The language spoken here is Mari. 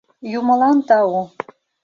— Юмылан тау!